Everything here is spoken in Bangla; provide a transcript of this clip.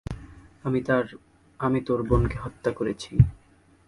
আমি তোর বোনকে হত্যা করেছি।